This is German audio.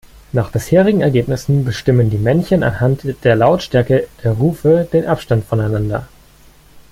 Nach bisherigen Ergebnissen bestimmen die Männchen anhand der Lautstärke der Rufe den Abstand voneinander.